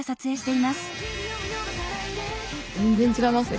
全然違いますね